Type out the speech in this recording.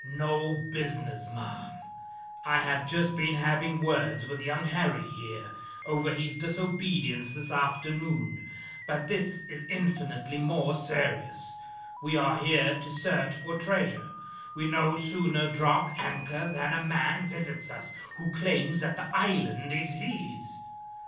"No business, ma'am. I have just been having words with young Harry, here, over his disobedience this afternoon; but this is infinitely more serious. We are here to search for treasure. We no sooner drop anchor than a man visits us, who claims that the island is his.